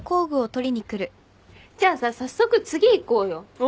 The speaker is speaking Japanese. じゃあさ早速次いこうよ。えっ？